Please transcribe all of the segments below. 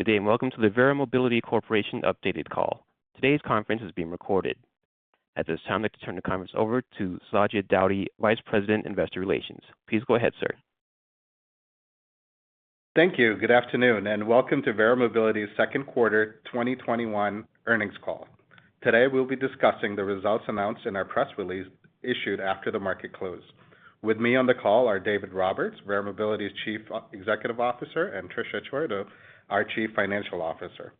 Good day. Welcome to the Verra Mobility Corporation updated call. Today's conference is being recorded. At this time, I'd like to turn the conference over to Sajid Daudi, Vice President, Investor Relations. Please go ahead, sir. Thank you. Good afternoon, and welcome to Verra Mobility's second quarter 2021 earnings call. Today, we'll be discussing the results announced in our press release issued after the market close. With me on the call are David Roberts, Verra Mobility's Chief Executive Officer, and Tricia Chiodo, our Chief Financial Officer.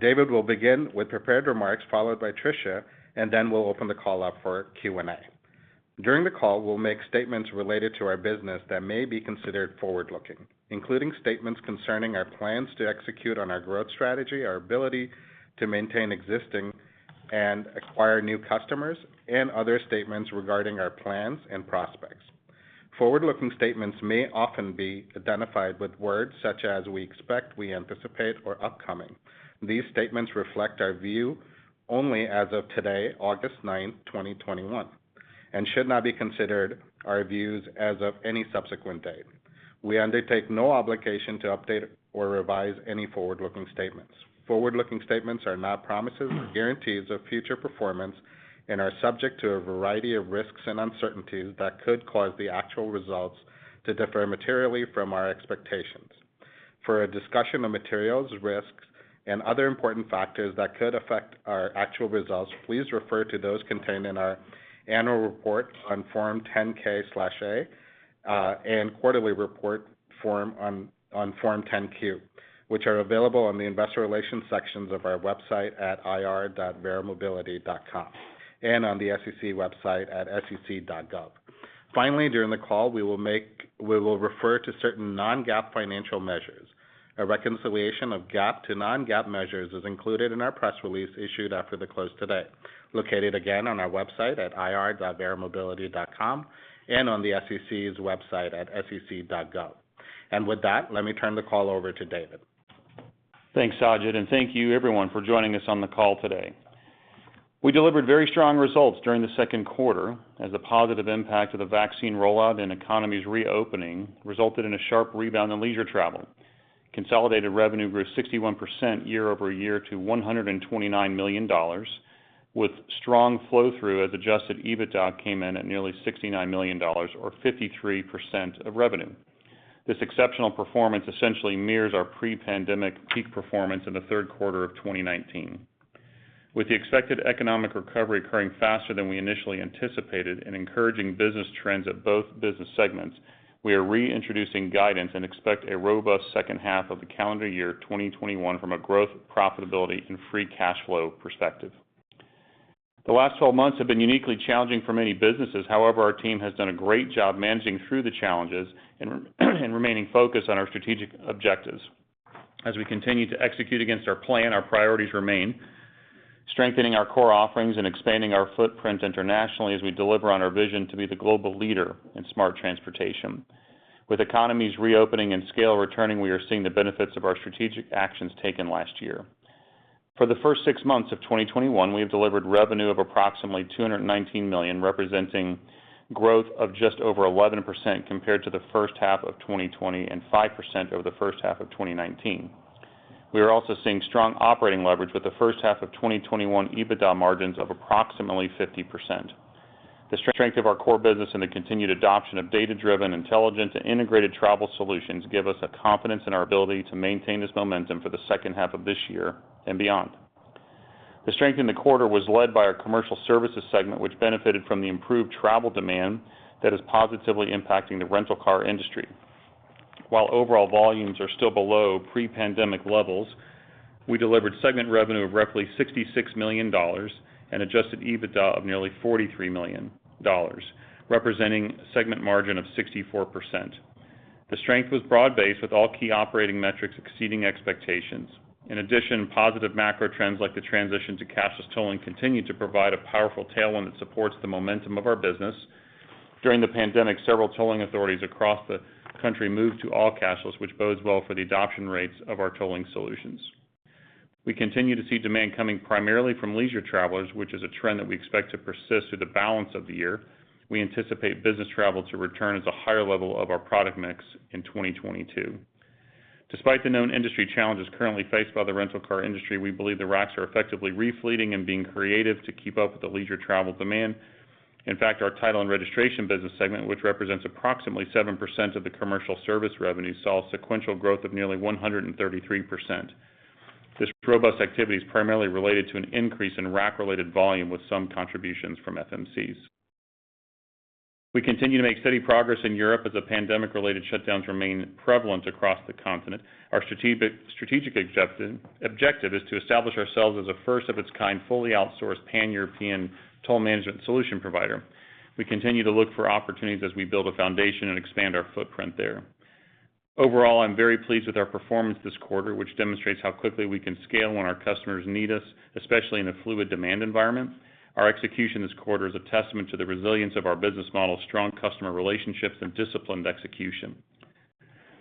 David will begin with prepared remarks, followed by Tricia, and then we'll open the call up for Q&A. During the call, we'll make statements related to our business that may be considered forward-looking, including statements concerning our plans to execute on our growth strategy, our ability to maintain existing and acquire new customers, and other statements regarding our plans and prospects. Forward-looking statements may often be identified with words such as "we expect," "we anticipate," or "upcoming." These statements reflect our view only as of today, August 9th, 2021, and should not be considered our views as of any subsequent date. We undertake no obligation to update or revise any forward-looking statements. Forward-looking statements are not promises or guarantees of future performance and are subject to a variety of risks and uncertainties that could cause the actual results to differ materially from our expectations. For a discussion of materials, risks, and other important factors that could affect our actual results, please refer to those contained in our annual report on Form 10-K/A, and quarterly report on Form 10-Q, which are available on the investor relations sections of our website at ir.verramobility.com, and on the SEC website at sec.gov. Finally, during the call, we will refer to certain non-GAAP financial measures. A reconciliation of GAAP to non-GAAP measures is included in our press release issued after the close today, located again on our website at ir.verramobility.com and on the SEC's website at sec.gov. With that, let me turn the call over to David. Thanks, Sajid, thank you everyone for joining us on the call today. We delivered very strong results during the second quarter as the positive impact of the vaccine rollout and economy's reopening resulted in a sharp rebound in leisure travel. Consolidated revenue grew 61% year-over-year to $129 million, with strong flow-through as adjusted EBITDA came in at nearly $69 million, or 53% of revenue. This exceptional performance essentially mirrors our pre-pandemic peak performance in the third quarter of 2019. With the expected economic recovery occurring faster than we initially anticipated and encouraging business trends at both business segments, we are re-introducing guidance and expect a robust second half of the calendar year 2021 from a growth, profitability, and free cash flow perspective. The last 12 months have been uniquely challenging for many businesses. However, our team has done a great job managing through the challenges and remaining focused on our strategic objectives. As we continue to execute against our plan, our priorities remain strengthening our core offerings and expanding our footprint internationally as we deliver on our vision to be the global leader in smart transportation. With economies reopening and scale returning, we are seeing the benefits of our strategic actions taken last year. For the first six months of 2021, we have delivered revenue of approximately $219 million, representing growth of just over 11% compared to the first half of 2020 and 5% over the first half of 2019. We are also seeing strong operating leverage with the first half of 2021 EBITDA margins of approximately 50%. The strength of our core business and the continued adoption of data-driven intelligence and integrated travel solutions give us a confidence in our ability to maintain this momentum for the second half of this year and beyond. The strength in the quarter was led by our Commercial Services segment, which benefited from the improved travel demand that is positively impacting the rental car industry. While overall volumes are still below pre-pandemic levels, we delivered segment revenue of roughly $66 million and adjusted EBITDA of nearly $43 million, representing segment margin of 64%. The strength was broad-based, with all key operating metrics exceeding expectations. In addition, positive macro trends like the transition to cashless tolling continue to provide a powerful tailwind that supports the momentum of our business. During the pandemic, several tolling authorities across the country moved to all cashless, which bodes well for the adoption rates of our tolling solutions. We continue to see demand coming primarily from leisure travelers, which is a trend that we expect to persist through the balance of the year. We anticipate business travel to return as a higher level of our product mix in 2022. Despite the known industry challenges currently faced by the rental car industry, we believe the RACs are effectively re-fleeting and being creative to keep up with the leisure travel demand. In fact, our title and registration business segment, which represents approximately 7% of the commercial service revenue, saw sequential growth of nearly 133%. This robust activity is primarily related to an increase in RAC-related volume with some contributions from FMCs. We continue to make steady progress in Europe as the pandemic-related shutdowns remain prevalent across the continent. Our strategic objective is to establish ourselves as a first of its kind, fully outsourced pan-European toll management solution provider. We continue to look for opportunities as we build a foundation and expand our footprint there. Overall, I'm very pleased with our performance this quarter, which demonstrates how quickly we can scale when our customers need us, especially in a fluid demand environment. Our execution this quarter is a testament to the resilience of our business model, strong customer relationships, and disciplined execution.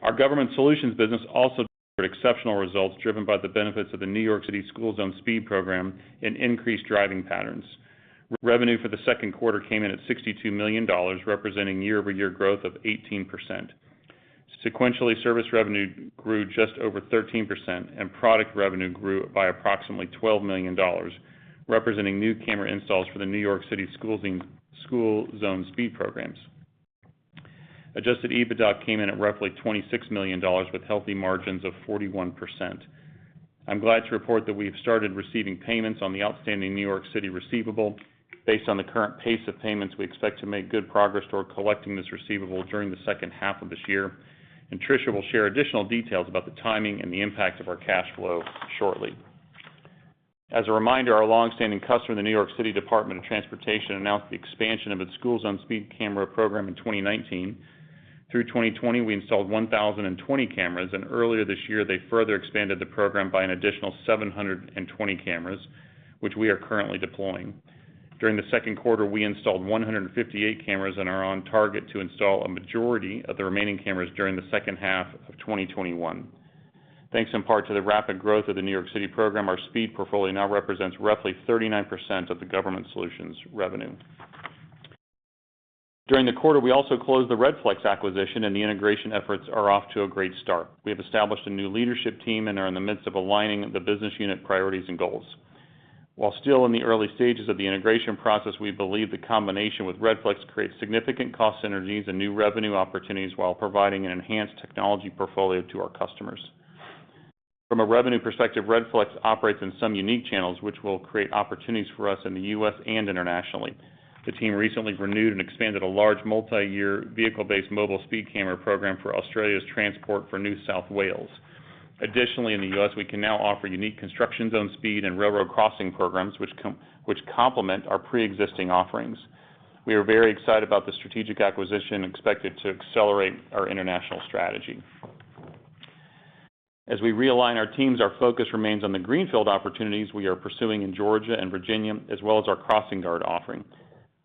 Our Government Solutions business also delivered exceptional results driven by the benefits of the New York City School Zone Speed program and increased driving patterns. Revenue for the second quarter came in at $62 million, representing year-over-year growth of 18%. Sequentially, service revenue grew just over 13%, and product revenue grew by approximately $12 million, representing new camera installs for the New York City School Zone Speed programs. Adjusted EBITDA came in at roughly $26 million, with healthy margins of 41%. I'm glad to report that we have started receiving payments on the outstanding New York City receivable. Based on the current pace of payments, we expect to make good progress toward collecting this receivable during the second half of this year. Tricia will share additional details about the timing and the impact of our cash flow shortly. As a reminder, our longstanding customer, the New York City Department of Transportation, announced the expansion of its School Zone Speed Camera program in 2019. Through 2020, we installed 1,020 cameras, and earlier this year they further expanded the program by an additional 720 cameras, which we are currently deploying. During the second quarter, we installed 158 cameras and are on target to install a majority of the remaining cameras during the second half of 2021. Thanks in part to the rapid growth of the New York City program, our speed portfolio now represents roughly 39% of the Government Solutions revenue. During the quarter, we also closed the Redflex acquisition, and the integration efforts are off to a great start. We have established a new leadership team and are in the midst of aligning the business unit priorities and goals. While still in the early stages of the integration process, we believe the combination with Redflex creates significant cost synergies and new revenue opportunities while providing an enhanced technology portfolio to our customers. From a revenue perspective, Redflex operates in some unique channels, which will create opportunities for us in the U.S. and internationally. The team recently renewed and expanded a large multi-year vehicle-based mobile speed camera program for Australia's Transport for New South Wales. Additionally, in the U.S., we can now offer unique construction zone speed and railroad crossing programs, which complement our preexisting offerings. We are very excited about the strategic acquisition expected to accelerate our international strategy. As we realign our teams, our focus remains on the greenfield opportunities we are pursuing in Georgia and Virginia, as well as our CrossingGuard offering.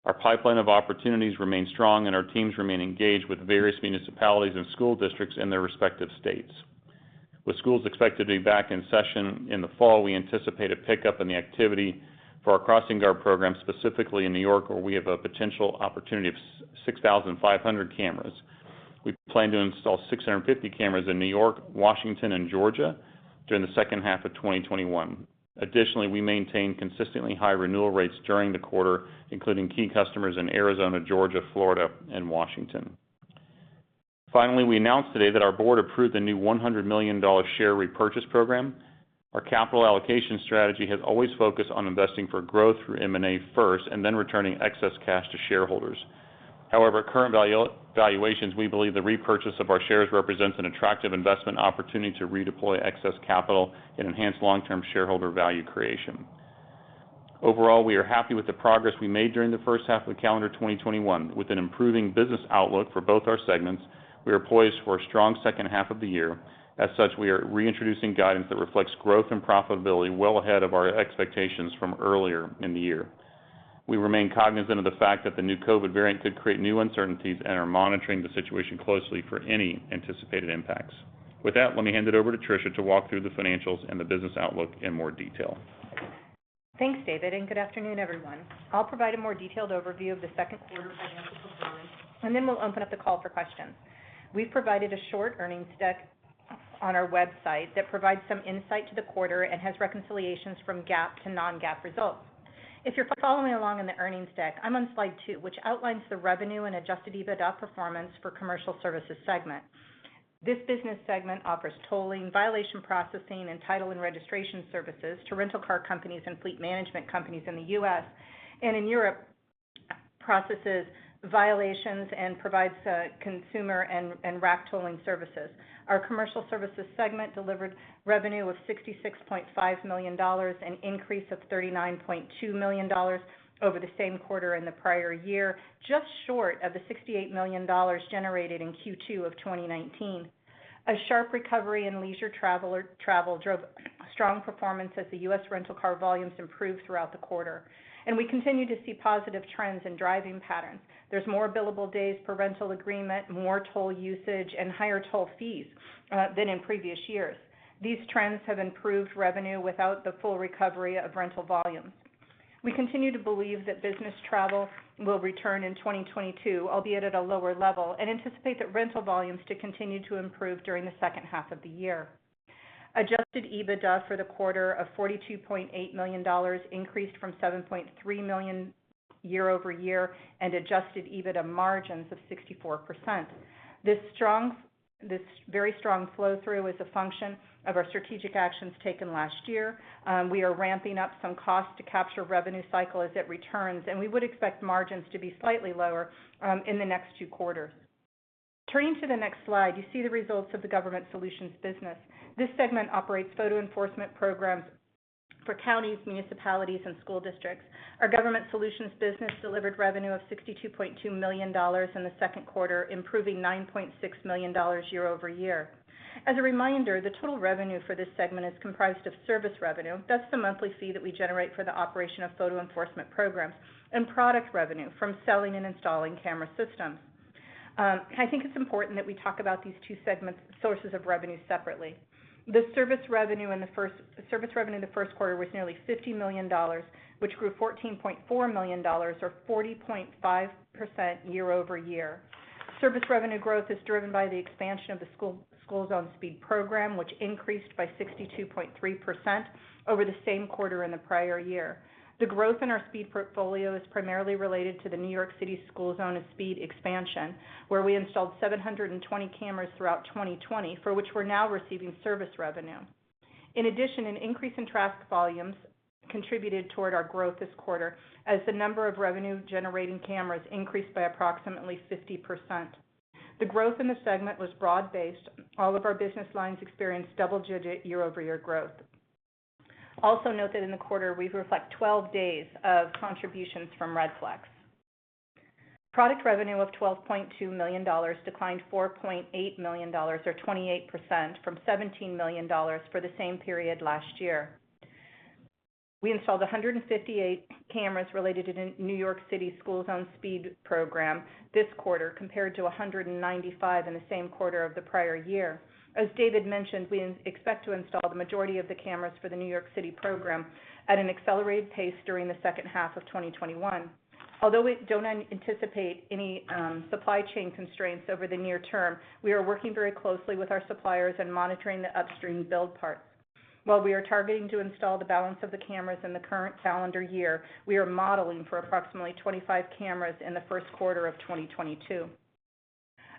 Our pipeline of opportunities remains strong, and our teams remain engaged with various municipalities and school districts in their respective states. With schools expected to be back in session in the fall, we anticipate a pickup in the activity for our CrossingGuard program, specifically in N.Y., where we have a potential opportunity of 6,500 cameras. We plan to install 650 cameras in New York, Washington and Georgia during the second half of 2021. Additionally, we maintained consistently high renewal rates during the quarter, including key customers in Arizona, Georgia, Florida, and Washington. Finally, we announced today that our board approved a new $100 million share repurchase program. Our capital allocation strategy has always focused on investing for growth through M&A first, and then returning excess cash to shareholders. However, current valuations, we believe the repurchase of our shares represents an attractive investment opportunity to redeploy excess capital and enhance long-term shareholder value creation. Overall, we are happy with the progress we made during the first half of calendar 2021. With an improving business outlook for both our segments, we are poised for a strong second half of the year. As such, we are reintroducing guidance that reflects growth and profitability well ahead of our expectations from earlier in the year. We remain cognizant of the fact that the new COVID variant could create new uncertainties and are monitoring the situation closely for any anticipated impacts. With that, let me hand it over to Tricia to walk through the financials and the business outlook in more detail. Thanks, David, good afternoon, everyone. I'll provide a more detailed overview of the second quarter financial performance, and then we'll open up the call for questions. We've provided a short earnings deck on our website that provides some insight to the quarter and has reconciliations from GAAP to non-GAAP results. If you're following along in the earnings deck, I'm on slide two, which outlines the revenue and adjusted EBITDA performance for Commercial Services segment. This business segment offers tolling, violation processing, and title and registration services to rental car companies and fleet management companies in the U.S., and in Europe, processes violations and provides consumer and RAC tolling services. Our Commercial Services segment delivered revenue of $66.5 million, an increase of $39.2 million over the same quarter in the prior year, just short of the $68 million generated in Q2 of 2019. A sharp recovery in leisure travel drove strong performance as the U.S. rental car volumes improved throughout the quarter, and we continue to see positive trends in driving patterns. There's more billable days per rental agreement, more toll usage, and higher toll fees than in previous years. These trends have improved revenue without the full recovery of rental volumes. We continue to believe that business travel will return in 2022, albeit at a lower level, and anticipate that rental volumes to continue to improve during the second half of the year. adjusted EBITDA for the quarter of $42.8 million increased from $7.3 million year-over-year and adjusted EBITDA margins of 64%. This very strong flow-through is a function of our strategic actions taken last year. We are ramping up some cost to capture revenue cycle as it returns, and we would expect margins to be slightly lower in the next two quarters. Turning to the next slide, you see the results of the Government Solutions business. This segment operates photo enforcement programs for counties, municipalities, and school districts. Our Government Solutions business delivered revenue of $62.2 million in the second quarter, improving $9.6 million year-over-year. As a reminder, the total revenue for this segment is comprised of service revenue. That's the monthly fee that we generate for the operation of photo enforcement programs and product revenue from selling and installing camera systems. I think it's important that we talk about these two sources of revenue separately. The service revenue in the first quarter was nearly $50 million, which grew $14.4 million or 40.5% year-over-year. Service revenue growth is driven by the expansion of the School Zone Speed program, which increased by 62.3% over the same quarter in the prior year. The growth in our speed portfolio is primarily related to the New York City School Zone Speed expansion, where we installed 720 cameras throughout 2020, for which we're now receiving service revenue. In addition, an increase in traffic volumes contributed toward our growth this quarter, as the number of revenue-generating cameras increased by approximately 50%. The growth in the segment was broad-based. All of our business lines experienced double-digit year-over-year growth. Also note that in the quarter, we reflect 12 days of contributions from Redflex. Product revenue of $12.2 million, declined $4.8 million or 28% from $17 million for the same period last year. We installed 158 cameras related to the New York City School Zone Speed program this quarter, compared to 195 in the same quarter of the prior year. As David mentioned, we expect to install the majority of the cameras for the New York City program at an accelerated pace during the second half of 2021. Although we don't anticipate any supply chain constraints over the near term, we are working very closely with our suppliers and monitoring the upstream build parts. While we are targeting to install the balance of the cameras in the current calendar year, we are modeling for approximately 25 cameras in the first quarter of 2022.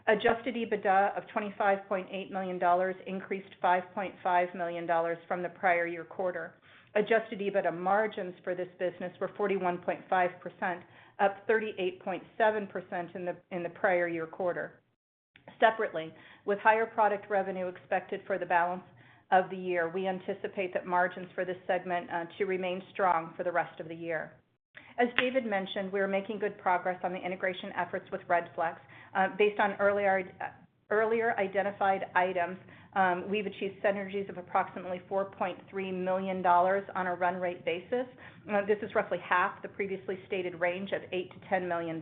Adjusted EBITDA of $25.8 million, increased $5.5 million from the prior year quarter. Adjusted EBITDA margins for this business were 41.5%, up 38.7% in the prior year quarter. Separately, with higher product revenue expected for the balance of the year, we anticipate that margins for this segment to remain strong for the rest of the year. As David mentioned, we are making good progress on the integration efforts with Redflex. Based on earlier identified items, we've achieved synergies of approximately $4.3 million on a run rate basis. This is roughly half the previously stated range of $8 million-$10 million.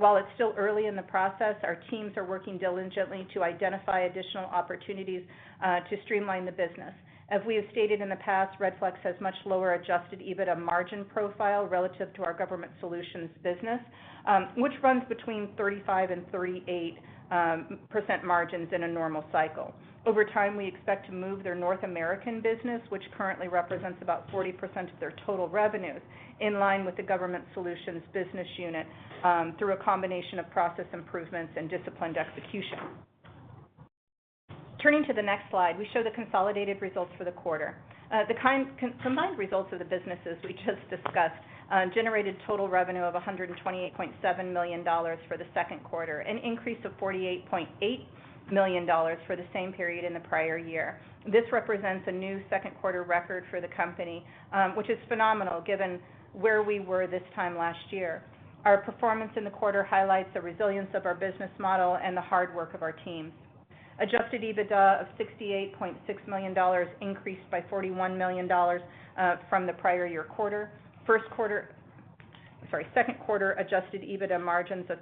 While it's still early in the process, our teams are working diligently to identify additional opportunities to streamline the business. As we have stated in the past, Redflex has much lower adjusted EBITDA margin profile relative to our Government Solutions business, which runs between 35%-38% margins in a normal cycle. Over time, we expect to move their North American business, which currently represents about 40% of their total revenues, in line with the Government Solutions business unit, through a combination of process improvements and disciplined execution. Turning to the next slide, we show the consolidated results for the quarter. The combined results of the businesses we just discussed generated total revenue of $128.7 million for the second quarter, an increase of $48.8 million for the same period in the prior year. This represents a new second quarter record for the company, which is phenomenal given where we were this time last year. Our performance in the quarter highlights the resilience of our business model and the hard work of our teams. Adjusted EBITDA of $68.6 million, increased by $41 million from the prior year quarter. Second quarter adjusted EBITDA margins were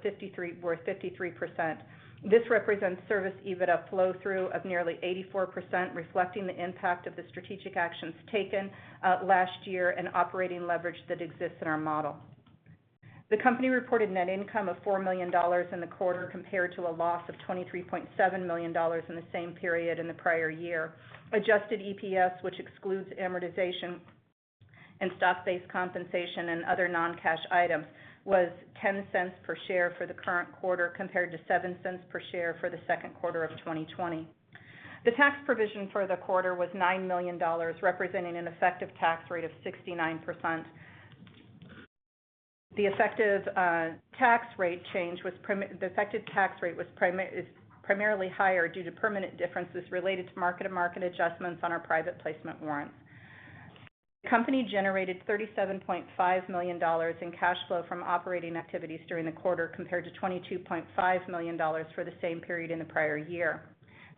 53%. This represents service EBITDA flow through of nearly 84%, reflecting the impact of the strategic actions taken last year and operating leverage that exists in our model. The company reported net income of $4 million in the quarter, compared to a loss of $23.7 million in the same period in the prior year. adjusted EPS, which excludes amortization and stock-based compensation and other non-cash items, was $0.10 per share for the current quarter, compared to $0.07 per share for the second quarter of 2020. The tax provision for the quarter was $9 million, representing an effective tax rate of 69%. The effective tax rate is primarily higher due to permanent differences related to market-to-market adjustments on our private placement warrants. The company generated $37.5 million in cash flow from operating activities during the quarter, compared to $22.5 million for the same period in the prior year.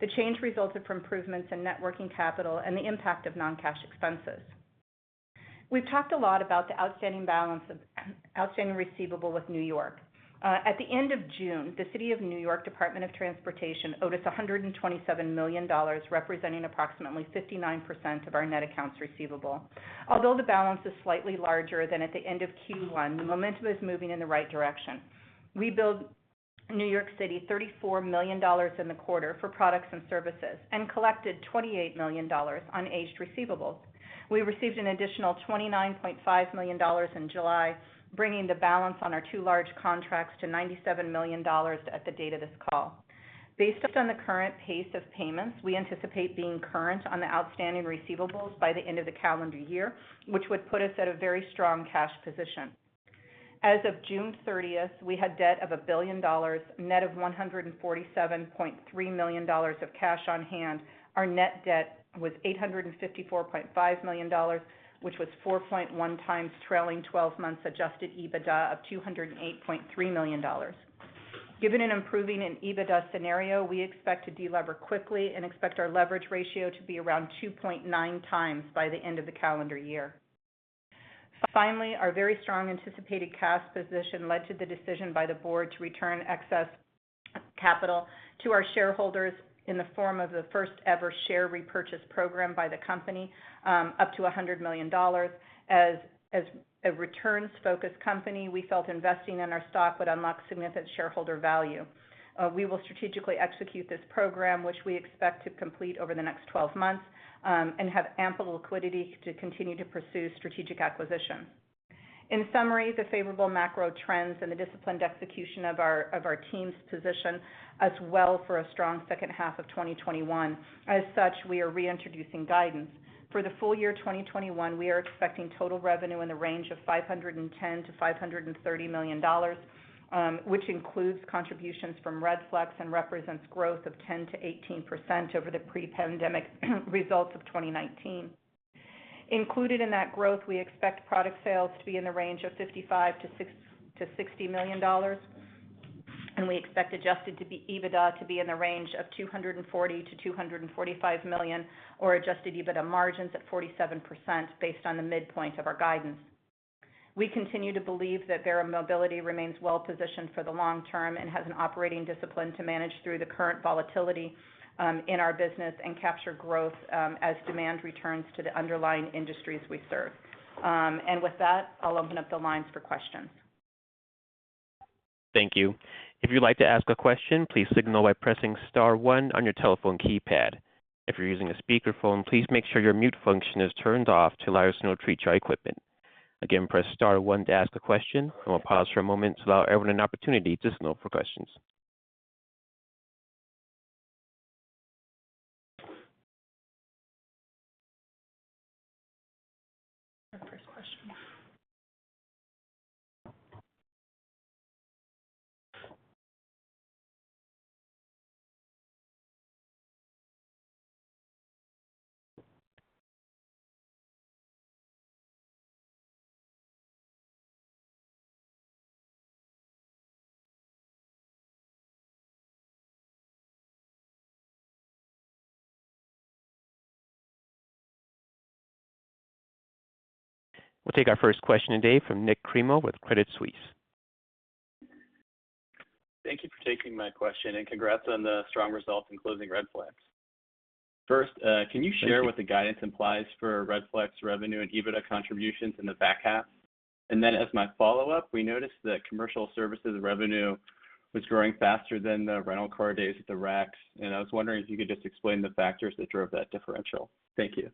The change resulted from improvements in net working capital and the impact of non-cash expenses. We've talked a lot about the outstanding receivable with New York. At the end of June, the City of New York Department of Transportation owed us $127 million, representing approximately 59% of our net accounts receivable. Although the balance is slightly larger than at the end of Q1, the momentum is moving in the right direction. We billed New York City $34 million in the quarter for products and services and collected $28 million on aged receivables. We received an additional $29.5 million in July, bringing the balance on our two large contracts to $97 million at the date of this call. Based on the current pace of payments, we anticipate being current on the outstanding receivables by the end of the calendar year, which would put us at a very strong cash position. As of June 30th, we had debt of $1 billion, net of $147.3 million of cash on hand. Our net debt was $854.5 million, which was 4.1x trailing 12 months adjusted EBITDA of $208.3 million. Given an improving in EBITDA scenario, we expect to de-lever quickly and expect our leverage ratio to be around 2.9 times by the end of the calendar year. Finally, our very strong anticipated cash position led to the decision by the board to return excess capital to our shareholders in the form of the first-ever share repurchase program by the company, up to $100 million. As a returns-focused company, we felt investing in our stock would unlock significant shareholder value. We will strategically execute this program, which we expect to complete over the next 12 months, and have ample liquidity to continue to pursue strategic acquisition. In summary, the favorable macro trends and the disciplined execution of our team's position us well for a strong second half of 2021. As such, we are reintroducing guidance. For the full year 2021, we are expecting total revenue in the range of $510 million-$530 million, which includes contributions from Redflex and represents growth of 10%-18% over the pre-pandemic results of 2019. Included in that growth, we expect product sales to be in the range of $55 million-$60 million, and we expect adjusted EBITDA to be in the range of $240 million-$245 million, or adjusted EBITDA margins at 47%, based on the midpoint of our guidance. We continue to believe that Verra Mobility remains well-positioned for the long term and has an operating discipline to manage through the current volatility in our business and capture growth as demand returns to the underlying industries we serve. With that, I'll open up the lines for questions. Thank you. If you'd like to ask a question, please signal by pressing *1 on your telephone keypad. If you're using a speakerphone, please make sure your mute function is turned off to allow us to note triage equipment. Again, press *1 to ask a question. I'm going to pause for a moment to allow everyone an opportunity to signal for questions. Our first question. We'll take our first question today from Nik Cremo with Credit Suisse. Thank you for taking my question, and congrats on the strong results in closing Redflex. First, can you share what the guidance implies for Redflex revenue and EBITDA contributions in the back half? Then as my follow-up, we noticed that Commercial Services revenue was growing faster than the rental car days at the RACs, and I was wondering if you could just explain the factors that drove that differential. Thank you.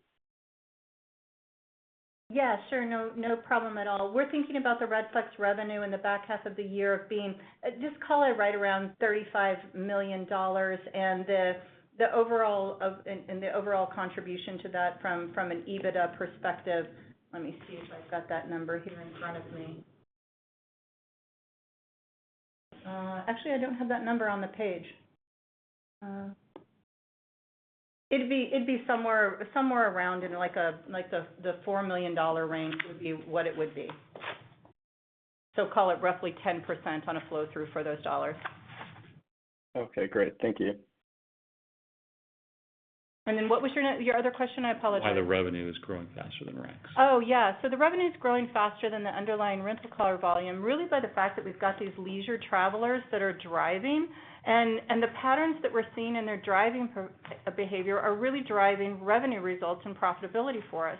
Yeah, sure. No problem at all. We're thinking about the Redflex revenue in the back half of the year being, just call it right around $35 million, and the overall contribution to that from an EBITDA perspective. Let me see if I've got that number here in front of me. Actually, I don't have that number on the page. It'd be somewhere around in the $4 million range would be what it would be. Call it roughly 10% on a flow-through for those dollars. Okay, great. Thank you. What was your other question? I apologize. Why the revenue is growing faster than Redflex? Yeah. The revenue's growing faster than the underlying rental car volume, really by the fact that we've got these leisure travelers that are driving, and the patterns that we're seeing in their driving behavior are really driving revenue results and profitability for us.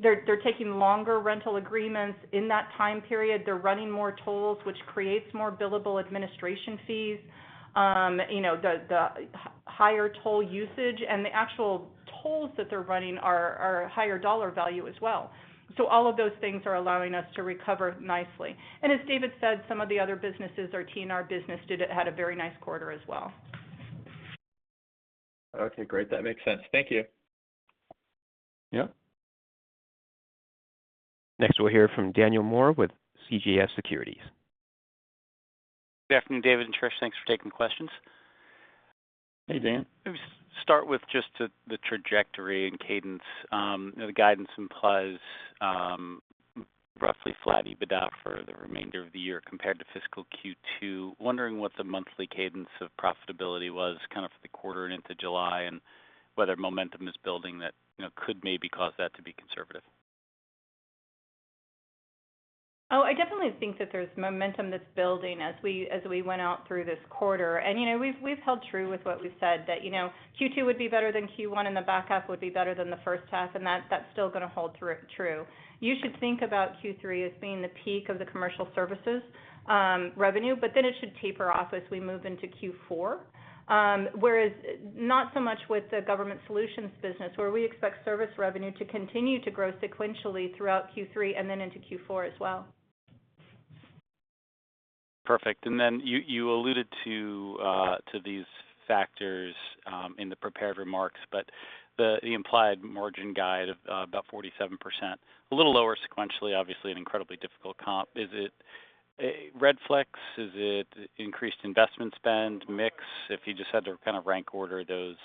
They're taking longer rental agreements in that time period. They're running more tolls, which creates more billable administration fees. The higher toll usage and the actual tolls that they're running are higher dollar value as well. All of those things are allowing us to recover nicely. As David said, some of the other businesses, our TNR business, had a very nice quarter as well. Okay, great. That makes sense. Thank you. Yeah. Next, we'll hear from Daniel Moore with CJS Securities. Good afternoon, David and Trish. Thanks for taking questions. Hey, Dan. Let me start with just the trajectory and cadence. The guidance implies roughly flat EBITDA for the remainder of the year compared to fiscal Q2. Wondering what the monthly cadence of profitability was for the quarter and into July, and whether momentum is building that could maybe cause that to be conservative? Oh, I definitely think that there's momentum that's building as we went out through this quarter. We've held true with what we've said, that Q2 would be better than Q1 and the back half would be better than the first half, and that's still going to hold true. You should think about Q3 as being the peak of the Commercial Services revenue, but then it should taper off as we move into Q4. Not so much with the Government Solutions business, where we expect service revenue to continue to grow sequentially throughout Q3 and then into Q4 as well. Perfect. You alluded to these factors in the prepared remarks, but the implied margin guide of about 47%, a little lower sequentially, obviously an incredibly difficult comp. Is it Redflex? Is it increased investment spend mix? If you just had to rank order those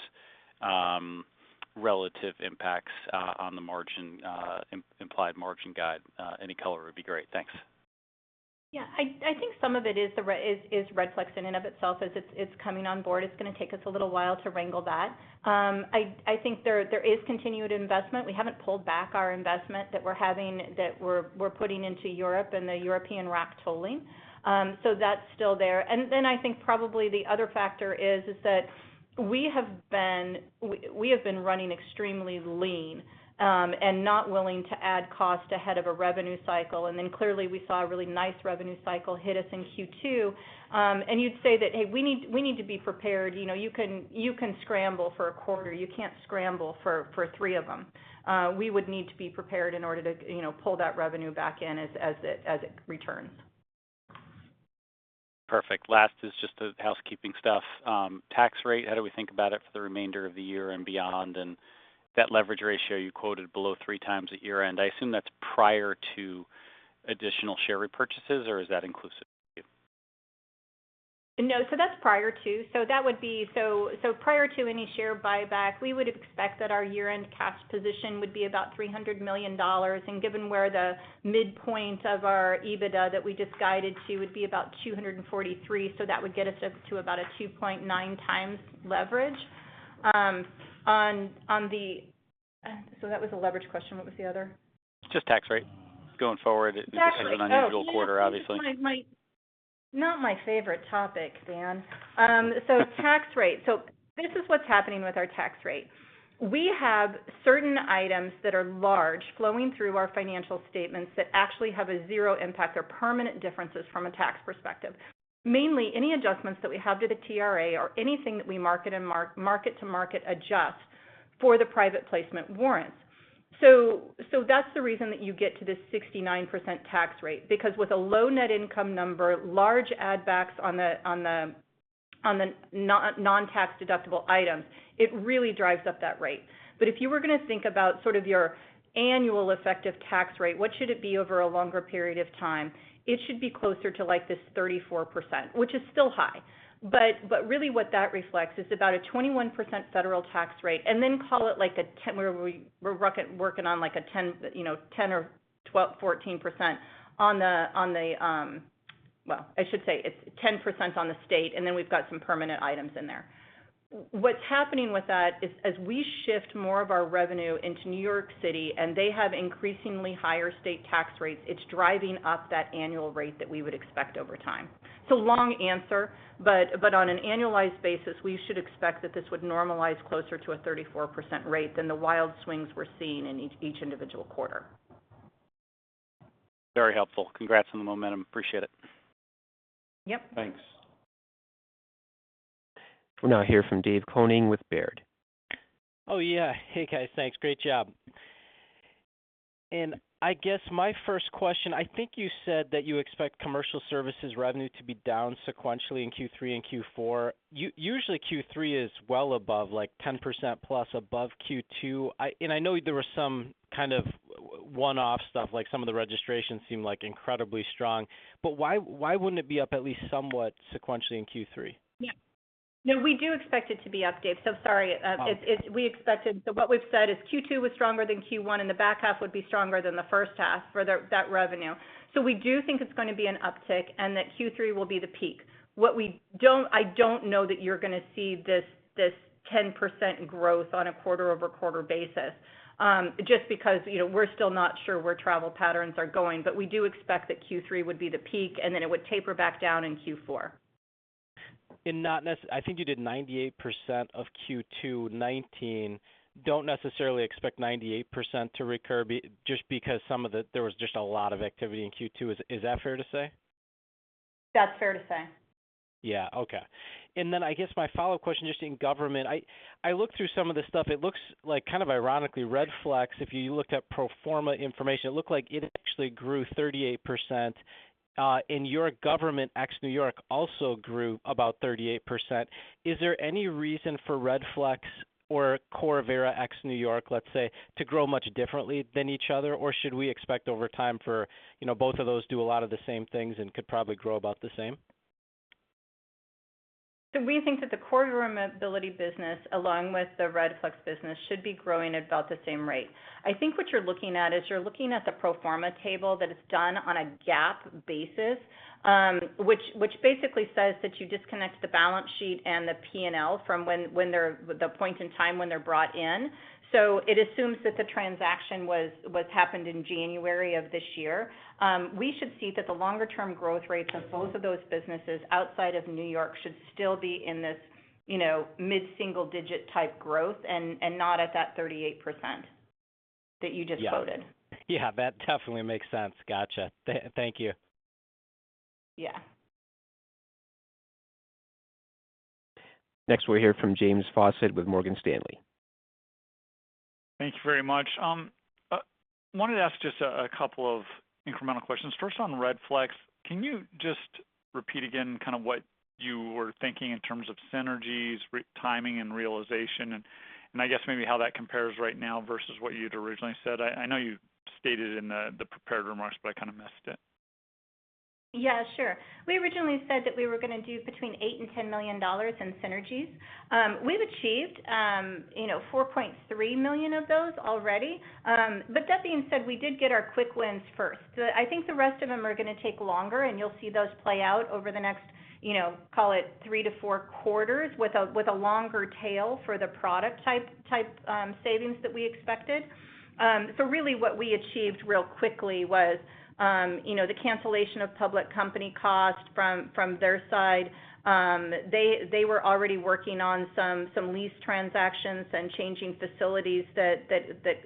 relative impacts on the implied margin guide, any color would be great. Thanks. Yeah. I think some of it is Redflex in and of itself as it's coming on board. It's going to take us a little while to wrangle that. I think there is continued investment. We haven't pulled back our investment that we're putting into Europe and the European rack tolling. That's still there. I think probably the other factor is that we have been running extremely lean and not willing to add cost ahead of a revenue cycle. Clearly we saw a really nice revenue cycle hit us in Q2. You'd say that, "Hey, we need to be prepared." You can scramble for a quarter, you can't scramble for three of them. We would need to be prepared in order to pull that revenue back in as it returns. Perfect. Last is just the housekeeping stuff. Tax rate, how do we think about it for the remainder of the year and beyond? That leverage ratio you quoted below three times at year-end, I assume that's prior to additional share repurchases, or is that inclusive of you? No. That's prior to. Prior to any share buyback, we would expect that our year-end cash position would be about $300 million. Given where the midpoint of our EBITDA that we just guided to would be about $243 million, that would get us up to about a 2.9x leverage. That was the leverage question. What was the other? Just tax rate going forward. Tax rate. It was an unusual quarter, obviously. This is not my favorite topic, Dan. Tax rate. This is what's happening with our tax rate. We have certain items that are large flowing through our financial statements that actually have a zero impact or permanent differences from a tax perspective. Mainly, any adjustments that we have to the TRA or anything that we market to market adjust for the private placement warrants. That's the reason that you get to this 69% tax rate, because with a low net income number, large add backs on the non-tax deductible items, it really drives up that rate. If you were going to think about your annual effective tax rate, what should it be over a longer period of time? It should be closer to this 34%, which is still high. Really what that reflects is about a 21% federal tax rate, and then call it like we're working on a 10 or 14%. Well, I should say it's 10% on the state, and then we've got some permanent items in there. What's happening with that is as we shift more of our revenue into New York City and they have increasingly higher state tax rates, it's driving up that annual rate that we would expect over time. Long answer, but on an annualized basis, we should expect that this would normalize closer to a 34% rate than the wild swings we're seeing in each individual quarter. Very helpful. Congrats on the momentum. Appreciate it. Yep. Thanks. We'll now hear from David Koning with Baird. Oh yeah. Hey, guys. Thanks. Great job. I guess my first question, I think you said that you expect Commercial Services revenue to be down sequentially in Q3 and Q4. Usually Q3 is well above 10% plus above Q2. I know there was some kind of one-off stuff, like some of the registrations seem incredibly strong. Why wouldn't it be up at least somewhat sequentially in Q3? Yeah. No, we do expect it to be up, Dave. Sorry. No problem. What we've said is Q2 was stronger than Q1 and the back half would be stronger than the first half for that revenue. We do think it's going to be an uptick and that Q3 will be the peak. I don't know that you're going to see this 10% growth on a quarter-over-quarter basis, just because we're still not sure where travel patterns are going. We do expect that Q3 would be the peak and then it would taper back down in Q4. I think you did 98% of Q2 2019. Don't necessarily expect 98% to recur just because there was just a lot of activity in Q2. Is that fair to say? That's fair to say. Yeah. Okay. Then I guess my follow-up question, just in government. I looked through some of the stuff. It looks like kind of ironically, Redflex, if you looked at pro forma information, it looked like it actually grew 38%, and your government ex New York also grew about 38%. Is there any reason for Redflex or core Verra ex New York, let's say, to grow much differently than each other? Should we expect over time for both of those do a lot of the same things and could probably grow about the same? We think that the core Verra Mobility business, along with the Redflex business, should be growing at about the same rate. I think what you're looking at is you're looking at the pro forma table that is done on a GAAP basis, which basically says that you disconnect the balance sheet and the P&L from the point in time when they're brought in. It assumes that the transaction happened in January of this year. We should see that the longer-term growth rates of both of those businesses outside of New York should still be in this mid-single digit type growth and not at that 38% that you just quoted. Yeah. That definitely makes sense. Got you. Thank you. Yeah. We'll hear from James Faucette with Morgan Stanley. Thank you very much. I wanted to ask just a couple of incremental questions. First, on Redflex, can you just repeat again what you were thinking in terms of synergies, timing, and realization? I guess maybe how that compares right now versus what you'd originally said. I know you stated in the prepared remarks, but I kind of missed it. Sure. We originally said that we were going to do between $8 million-$10 million in synergies. We've achieved $4.3 million of those already. That being said, we did get our quick wins first. I think the rest of them are going to take longer, and you'll see those play out over the next, call it three to four quarters, with a longer tail for the product-type savings that we expected. Really what we achieved real quickly was the cancellation of public company cost from their side. They were already working on some lease transactions and changing facilities that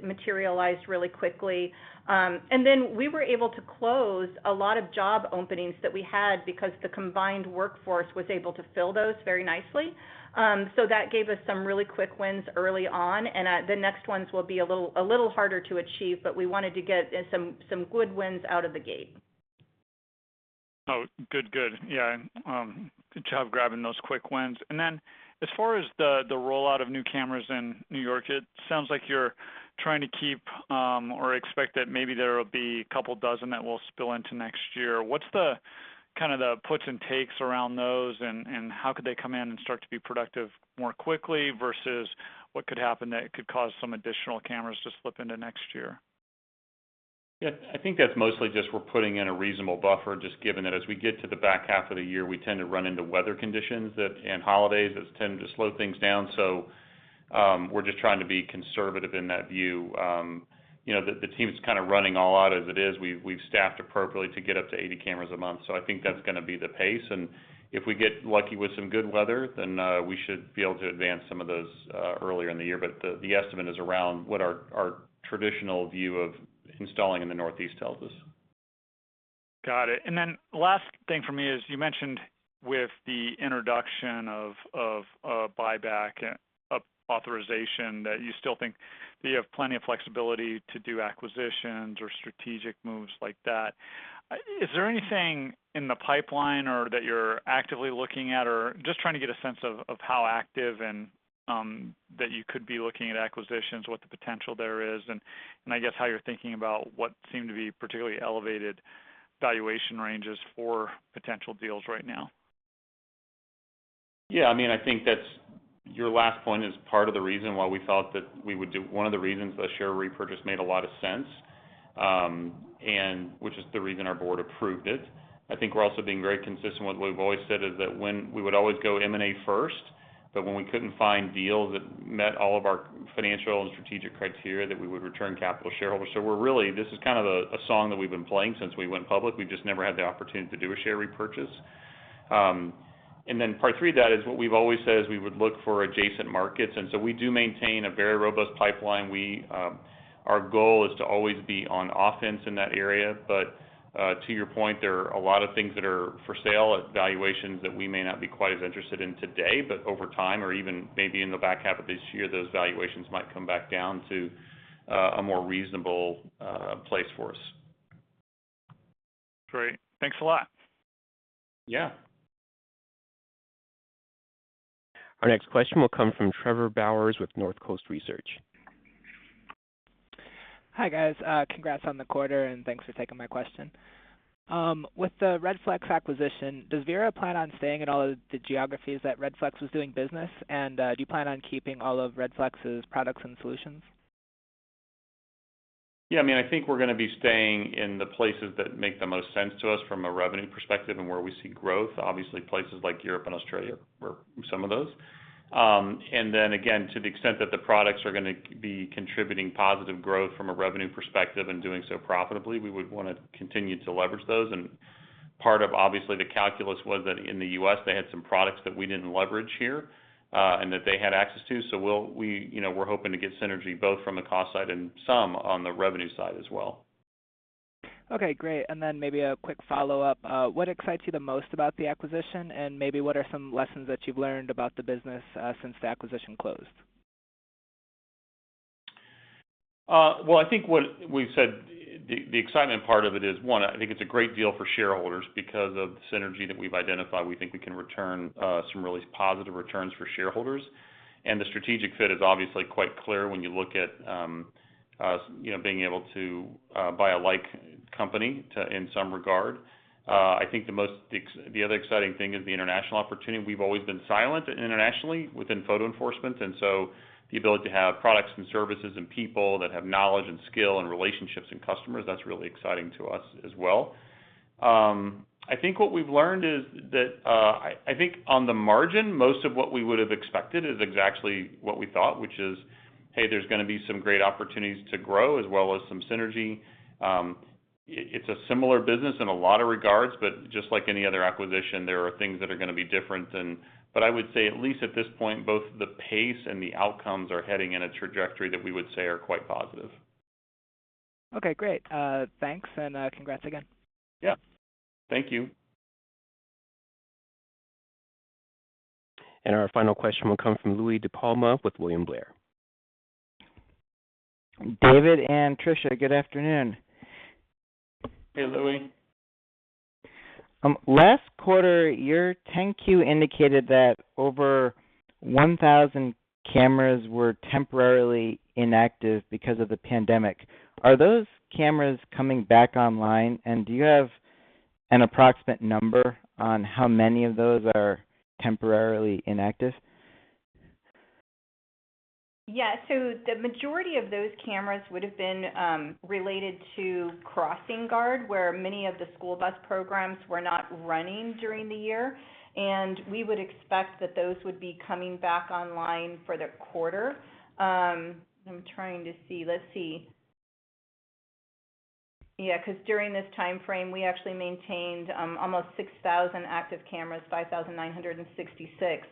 materialized really quickly. Then we were able to close a lot of job openings that we had because the combined workforce was able to fill those very nicely. That gave us some really quick wins early on, and the next ones will be a little harder to achieve, but we wanted to get some good wins out of the gate. Oh, good. Yeah. Good job grabbing those quick wins. As far as the rollout of new cameras in New York, it sounds like you're trying to keep or expect that maybe there will be a couple dozen that will spill into next year. What's the puts and takes around those, and how could they come in and start to be productive more quickly versus what could happen that could cause some additional cameras to slip into next year? Yeah, I think that's mostly just we're putting in a reasonable buffer, just given that as we get to the back half of the year, we tend to run into weather conditions and holidays that tend to slow things down. We're just trying to be conservative in that view. The team's kind of running all out as it is. We've staffed appropriately to get up to 80 cameras a month. I think that's going to be the pace, and if we get lucky with some good weather, then we should be able to advance some of those earlier in the year. The estimate is around what our traditional view of installing in the Northeast tells us. Got it. Then last thing from me is, you mentioned with the introduction of a buyback authorization that you still think that you have plenty of flexibility to do acquisitions or strategic moves like that. Is there anything in the pipeline or that you're actively looking at, or just trying to get a sense of how active and that you could be looking at acquisitions, what the potential there is and, I guess, how you're thinking about what seem to be particularly elevated valuation ranges for potential deals right now? Yeah, I think your last point is part of the reason why we thought that one of the reasons the share repurchase made a lot of sense, and which is the reason our board approved it. I think we're also being very consistent with what we've always said is that when we would always go M&A first, but when we couldn't find deals that met all of our financial and strategic criteria, that we would return capital to shareholders. We're really, this is kind of a song that we've been playing since we went public. We've just never had the opportunity to do a share repurchase. Part three of that is what we've always said is we would look for adjacent markets, and so we do maintain a very robust pipeline. Our goal is to always be on offense in that area. To your point, there are a lot of things that are for sale at valuations that we may not be quite as interested in today, but over time, or even maybe in the back half of this year, those valuations might come back down to a more reasonable place for us. Great. Thanks a lot. Yeah. Our next question will come from Trevor Bowers with Northcoast Research. Hi, guys. Congrats on the quarter, and thanks for taking my question. With the Redflex acquisition, does Verra plan on staying in all of the geographies that Redflex was doing business? Do you plan on keeping all of Redflex's products and solutions? Yeah, I think we're going to be staying in the places that make the most sense to us from a revenue perspective and where we see growth. Obviously, places like Europe and Australia were some of those. Again, to the extent that the products are going to be contributing positive growth from a revenue perspective and doing so profitably, we would want to continue to leverage those. Part of, obviously, the calculus was that in the U.S., they had some products that we didn't leverage here, and that they had access to. We're hoping to get synergy both from the cost side and some on the revenue side as well. Okay, great. Maybe a quick follow-up. What excites you the most about the acquisition? Maybe what are some lessons that you've learned about the business since the acquisition closed? Well, I think what we've said, the excitement part of it is, one, I think it's a great deal for shareholders because of the synergy that we've identified. We think we can return some really positive returns for shareholders. The strategic fit is obviously quite clear when you look at us being able to buy a like company in some regard. I think the other exciting thing is the international opportunity. We've always been silent internationally within photo enforcement, the ability to have products and services and people that have knowledge and skill and relationships and customers, that's really exciting to us as well. I think what we've learned is that, I think on the margin, most of what we would have expected is exactly what we thought, which is, hey, there's going to be some great opportunities to grow as well as some synergy. It's a similar business in a lot of regards. Just like any other acquisition, there are things that are going to be different. I would say, at least at this point, both the pace and the outcomes are heading in a trajectory that we would say are quite positive. Okay, great. Thanks, and congrats again. Yeah. Thank you. Our final question will come from Louie DiPalma with William Blair. David and Tricia, good afternoon. Hey, Louie. Last quarter, your 10-Q indicated that over 1,000 cameras were temporarily inactive because of the pandemic. Are those cameras coming back online? Do you have an approximate number on how many of those are temporarily inactive? Yeah. The majority of those cameras would've been related to CrossingGuard, where many of the school bus programs were not running during the year. We would expect that those would be coming back online for the quarter. I'm trying to see. Let's see. Yeah, because during this timeframe, we actually maintained almost 6,000 active cameras, 5,966,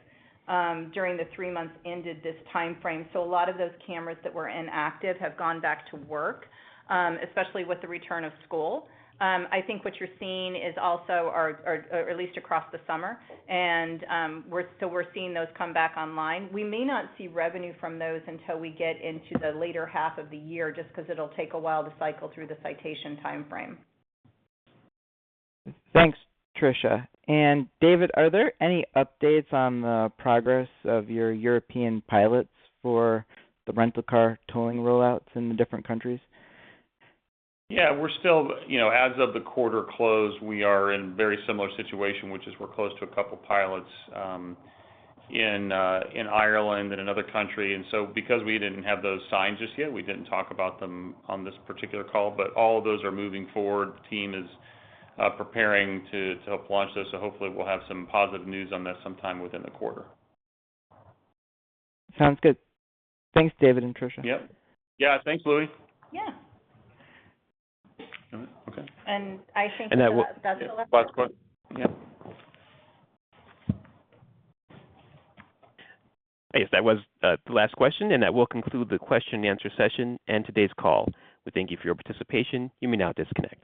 during the three months ended this timeframe. A lot of those cameras that were inactive have gone back to work, especially with the return of school. I think what you're seeing is also, or at least across the summer. We're seeing those come back online. We may not see revenue from those until we get into the later half of the year, just because it'll take a while to cycle through the citation timeframe. Thanks, Tricia. David, are there any updates on the progress of your European pilots for the rental car tolling rollouts in the different countries? As of the quarter close, we are in a very similar situation, which is we're close to a couple pilots in Ireland and another country. Because we didn't have those signed just yet, we didn't talk about them on this particular call. All of those are moving forward. The team is preparing to help launch those. Hopefully we'll have some positive news on this sometime within the quarter. Sounds good. Thanks, David and Tricia. Yep. Yeah. Thanks, Louie. Yeah. All right. Okay. And I think that- And that will- That's the last one. Last one? Yeah. I guess that was the last question, and that will conclude the question and answer session and today's call. We thank you for your participation. You may now disconnect.